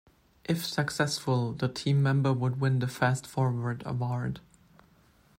If successful, the team member would win the Fast Forward award.